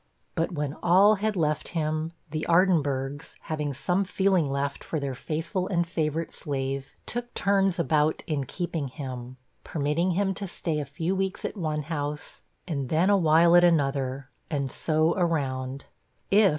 But when all had left him, the Ardinburghs, having some feeling left for their faithful and favorite slave, 'took turns about' in keeping him permitting him to stay a few weeks at one house, and then a while at another, and so around.